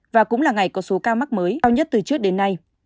và cũng là ngày có số ca mắc mới cao nhất từ trước đến nay